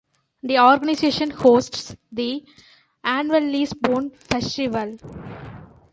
This organization hosts the annual Lees Pond festival.